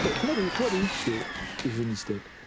ここまでいい？っていうふうにして。